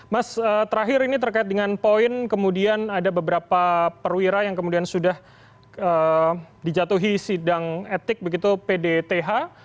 mas terakhir ini terkait dengan poin kemudian ada beberapa perwira yang kemudian sudah dijatuhi sidang etik begitu pdth